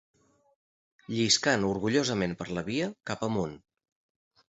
Lliscant orgullosament per la via, cap amunt